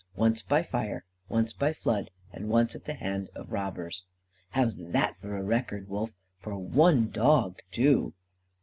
Once by fire, once by flood, and once at the hands of robbers!_' How's that for a record, Wolf? For one dog, too!"